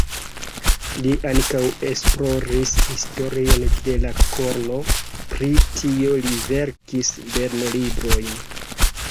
Li ankaŭ esploris historion de la korno, pri tio li verkis lernolibrojn.